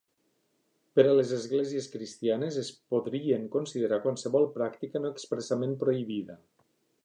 Per a les esglésies cristianes, es podrien considerar qualsevol pràctica no expressament prohibida.